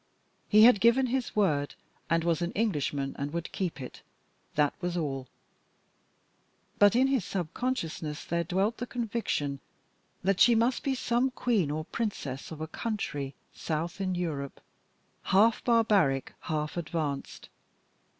He had given his word, and was an Englishman and would keep it, that was all. But in his subconsciousness there dwelt the conviction that she must be some Queen or Princess of a country south in Europe half barbaric, half advanced.